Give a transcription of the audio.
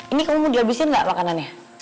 ini kamu mau dihabisin nggak makanannya